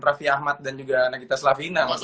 raffi ahmad dan juga nagita slavina